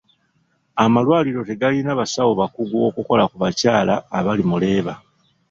Amalwaliro tegalina basawo bakugu okukola ku bakyala abali mu leeba.